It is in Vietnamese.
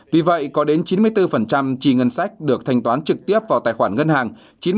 vì vậy có đến chín mươi bốn chi ngân sách được thanh toán trực tiếp vào tài khoản ngân hàng